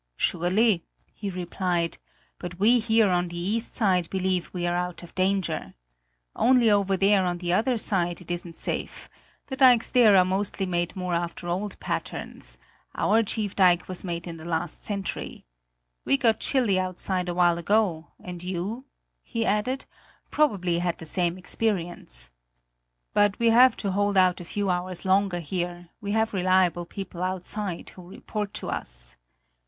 "Surely," he replied, "but we here on the east side believe we are out of danger. Only over there on the other side it isn't safe; the dikes there are mostly made more after old patterns; our chief dike was made in the last century. We got chilly outside a while ago; and you," he added, "probably had the same experience. But we have to hold out a few hours longer here; we have reliable people outside, who report to us."